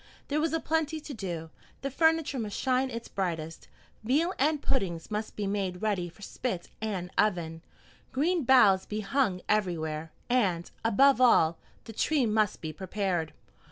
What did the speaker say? There was a plenty to do. The furniture must shine its brightest, veal and puddings must be made ready for spit and oven, green boughs be hung everywhere, and, above all, the tree must be prepared.